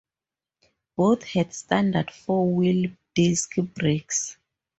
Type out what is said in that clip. Both had standard four-wheel disc brakes.